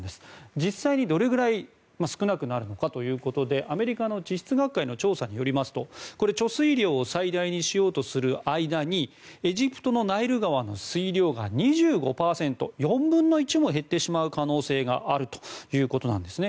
実際にどれぐらい少なくなるのかということでアメリカの地質学会の調査によりますと貯水量を最大にしようとする間にエジプトのナイル川の水量が２５％、４分の１も減ってしまう可能性があるということなんですね。